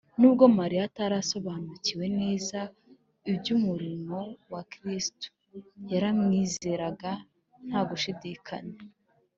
Nubwo Mariya atari asobanukiwe neza iby’umurimo wa Kristo, yaramwizeraga nta gushidikanya